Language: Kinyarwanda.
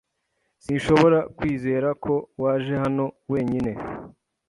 Sinshobora kwizera ko waje hano wenyine.